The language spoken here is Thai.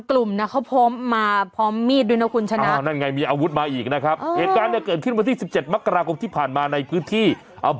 ก่อนผมผมคุยกับป้าละอันนี้ผมขอโทษให้ป้าแล้ว